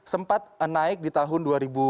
sempat naik di tahun dua ribu delapan belas